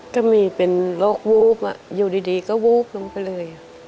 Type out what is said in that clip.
ก็มีเป็นโรควูบอยู่ดีก็วูบลงไปเลย